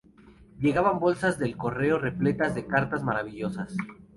Llegaban bolsas del correo repletas de cartas maravillosas.